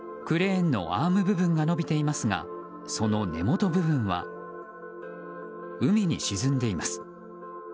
クレーンのアーム部分が伸びていますが、その根元部分は海に沈んでいます。